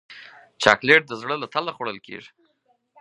چاکلېټ د زړه له تله خوړل کېږي.